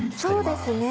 そうですね